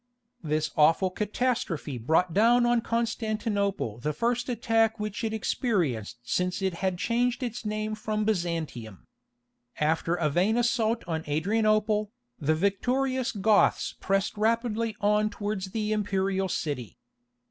This awful catastrophe brought down on Constantinople the first attack which it experienced since it had changed its name from Byzantium. After a vain assault on Adrianople, the victorious Goths pressed rapidly on towards the imperial city.